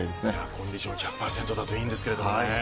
コンディション１００％だといいんですけどね。